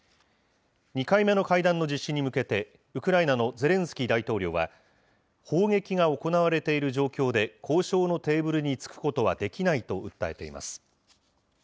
２回目の会談の実施に向けて、ウクライナのゼレンスキー大統領は、砲撃が行われている状況で交渉のテーブルにつくことはできないと訴えています。